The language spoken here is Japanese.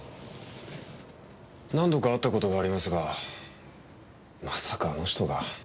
何度か会った事がありますがまさかあの人が。